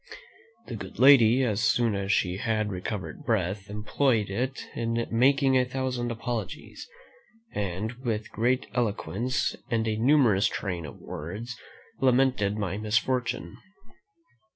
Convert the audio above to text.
The good lady, as soon as she had recovered breath, employed it in making a thousand apologies, and, with great eloquence, and a numerous train of words, lamented my misfortune.